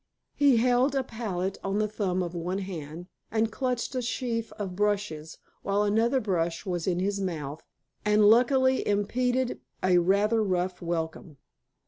He held a palette on the thumb of one hand, and clutched a sheaf of brushes, while another brush was in his mouth, and luckily impeded a rather rough welcome.